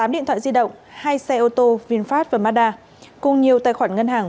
tám điện thoại di động hai xe ô tô vinfast và mazda cùng nhiều tài khoản ngân hàng